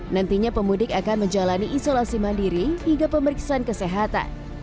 nantinya pemudik akan menjalani isolasi mandiri hingga pemeriksaan kesehatan